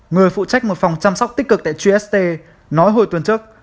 người phụ trách một phòng chăm sóc tích cực tại jst nói hồi tuần trước